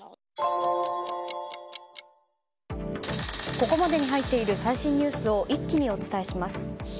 ここまでに入っている最新ニュースを一気にお伝えします。